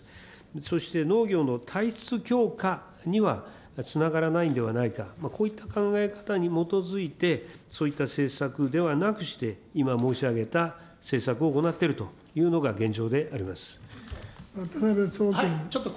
そして農業の体質強化にはつながらないんではないか、こういった考え方に基づいて、そういった政策ではなくして、今、申し上げた政策を行っているというのが現状